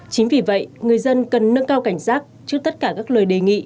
chính vì vậy người dân cần nâng cao cảnh giác trước tất cả các lời đề nghị